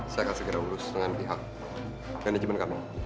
saya akan segera mengurus dengan pihak manajemen kami